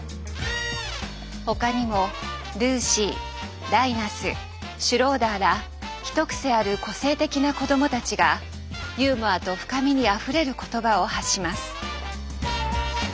他にもルーシーライナスシュローダーら一癖ある個性的な子どもたちがユーモアと深みにあふれる言葉を発します。